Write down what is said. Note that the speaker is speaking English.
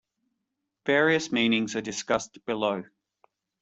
Various meanings are discussed below.